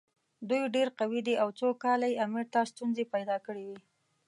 دوی ډېر قوي دي او څو کاله یې امیر ته ستونزې پیدا کړې وې.